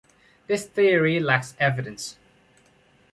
This theory lacks evidence.